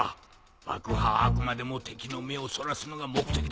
爆破はあくまでも敵の目をそらすのが目的だど。